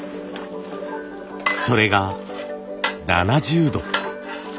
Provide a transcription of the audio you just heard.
それが７０度。